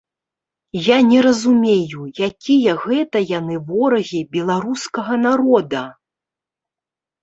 Я не разумею, якія гэта яны ворагі беларускага народа?